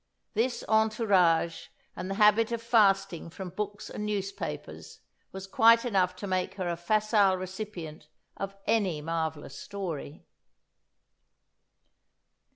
This entourage, and the habit of fasting from books and newspapers, was quite enough to make her a facile recipient of any marvellous story."